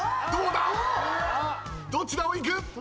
どちらをいく？